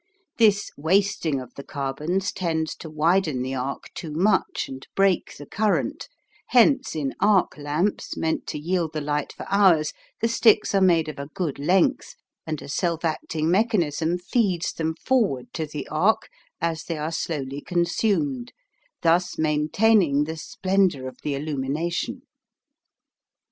This wasting of the carbons tends to widen the arc too much and break the current, hence in arc lamps meant to yield the light for hours the sticks are made of a good length, and a self acting mechanism feeds them forward to the arc as they are slowly consumed, thus maintaining the splendour of the illumination.